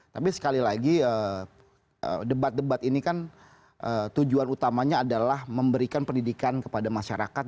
tapi sekali lagi debat debat ini kan tujuan utamanya adalah memberikan pendidikan kepada masyarakat